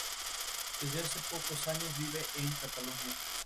Desde hace pocos años vive en Cataluña.